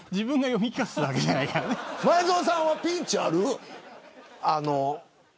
前園さんはピンチありますか。